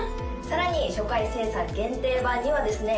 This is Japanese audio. さらに初回生産限定盤にはですね